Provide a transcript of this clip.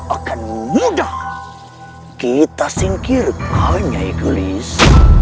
akan mudah kita singkirkan nyai kulis